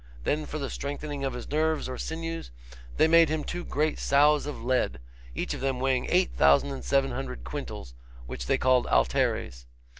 Then for the strengthening of his nerves or sinews they made him two great sows of lead, each of them weighing eight thousand and seven hundred quintals, which they called alteres.